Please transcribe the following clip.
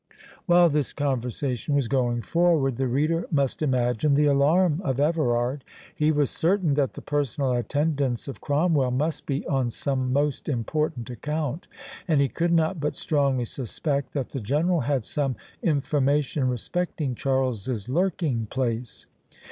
While this conversation was going forward, the reader must imagine the alarm of Everard. He was certain that the personal attendance of Cromwell must be on some most important account, and he could not but strongly suspect that the General had some information respecting Charles's lurking place.